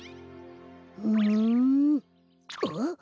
ふんんっ？